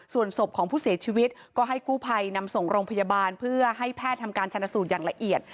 ส่วนศพของผู้เสียชีวิตก็ให้กู้ภัยนำส่งโรงพยาบาลเพื่อให้แพทย์ทำการชนะสูตรอย่างละเอียด